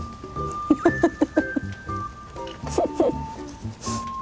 フフフフフ。